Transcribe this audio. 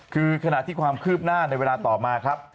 คือขณะที่ความคืบหน้าในเวลาต่อมาครับ